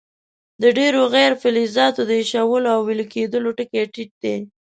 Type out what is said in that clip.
د ډیرو غیر فلزاتو د ایشېدلو او ویلي کیدلو ټکي ټیټ دي.